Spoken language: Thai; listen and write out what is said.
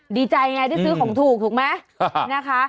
ดีใจไงได้ซื้อของถูกถูกไหมนะคะ